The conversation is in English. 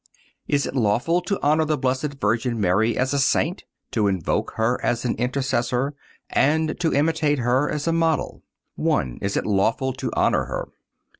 IS IT LAWFUL TO HONOR THE BLESSED VIRGIN MARY AS A SAINT, TO INVOKE HER AS AN INTERCESSOR, AND TO IMITATE HER AS A MODEL. I. Is It Lawful To Honor Her?